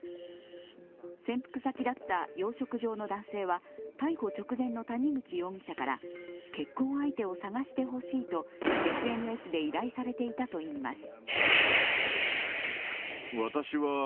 潜伏先だった養殖場の男性は逮捕直前の谷口容疑者から結婚相手を探してほしいとＳＮＳで依頼されていたといいます。